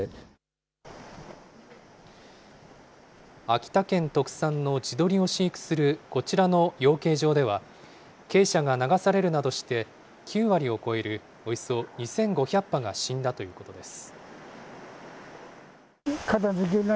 秋田県特産の地鶏を飼育するこちらの養鶏場では、鶏舎が流されるなどして、９割を超えるおよそ２５００羽が死んだということです。